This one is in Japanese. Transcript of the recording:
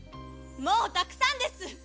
もうたくさんです！